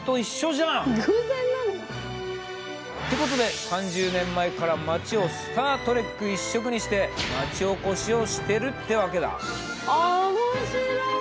偶然なの？ってことで３０年前から町を「スター・トレック」一色にして町おこしをしてるってわけだ。